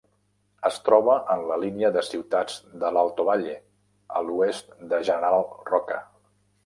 Es troba en la línia de ciutats de l'Alto Valle, a l'oest de General Roca.